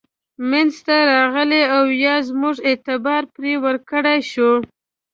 منځته راغلي او یا موږ اعتبار پرې وکړای شو.